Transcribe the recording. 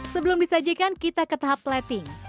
sebelum disajikan kita ke tahap plating